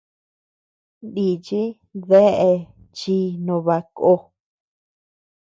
Nichi dae chi no baʼa ko.